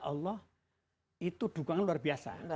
allah itu dukungan luar biasa